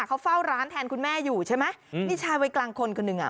เขาเฝ้าร้านแทนคุณแม่อยู่ใช่ไหมอืมนี่ชายวัยกลางคนคนหนึ่งอ่ะ